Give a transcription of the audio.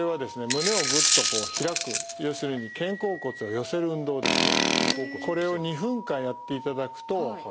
胸をグッとこう開く要するに肩甲骨を寄せる運動ですね。